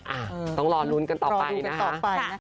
อ่ะต้องรอลุ้นกันต่อไปนะคะ